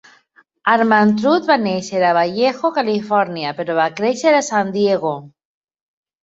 Armantrout va néixer a Vallejo, Califòrnia, però va créixer a San Diego.